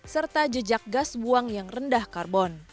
serta jejak gas buang yang rendah karbon